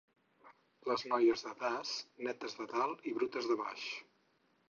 Les noies de Das, netes de dalt i brutes de baix.